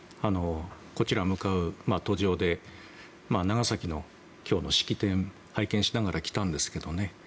こちらに向かう途上で長崎の今日の式典を拝見しながら来たんですけどね。